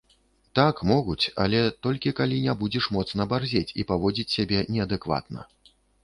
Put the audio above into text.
Так, могуць, але толькі калі не будзеш моцна барзець і паводзіць сябе неадэкватна.